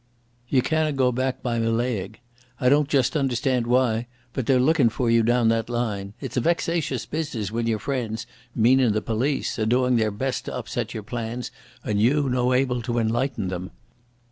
"Ye canna go back by Mallaig. I don't just understand why, but they're lookin' for you down that line. It's a vexatious business when your friends, meanin' the polis, are doing their best to upset your plans and you no able to enlighten them.